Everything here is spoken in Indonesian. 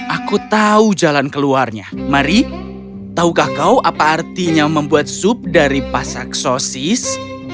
aku tahu jalan keluarnya mari tahukah kau apa artinya membuat sup dari pasak sosis